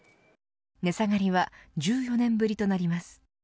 値下がりは１４年ぶりとなります。